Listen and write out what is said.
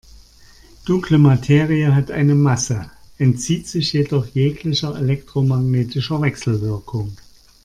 Dunkle Materie hat eine Masse, entzieht sich jedoch jeglicher elektromagnetischer Wechselwirkung.